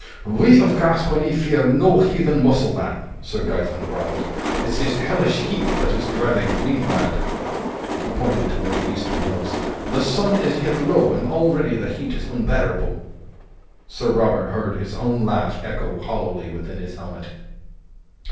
"We of Gascony fear no heathen Musselman," Sir Gaeton growled. "It's this Hellish heat that is driving me mad." He pointed toward the eastern hills. "The sun is yet low, and already the heat is unbearable." Sir Robert heard his own laugh echo hollowly within his helmet.